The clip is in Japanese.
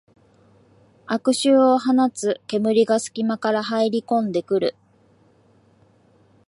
異臭を放つ煙がすき間から入りこんでくる